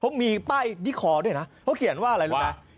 อเมียไป้ดิคอด้วยนะเคยเขียนว่าอะไรรึเปล่า